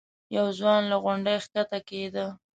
یو ځوان له غونډۍ ښکته کېده.